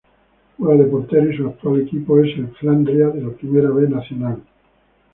Juega de portero y su actual equipo es Flandria de la Primera B Nacional.